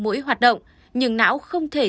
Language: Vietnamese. mũi hoạt động nhưng não không thể